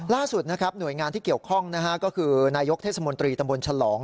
ล่าสุดนะครับหน่วยงานที่เกี่ยวข้องนะฮะก็คือนายกเทศมนตรีตำบลฉลอง